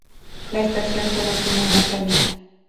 La estación sólo tiene una salida.